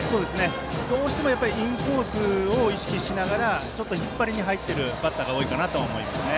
どうしてもインコースを意識しながら引っ張りに入っているバッターが多いと思いますね。